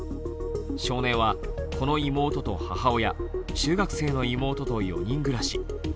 少年は、この妹と母親、中学生の妹と４人暮らし。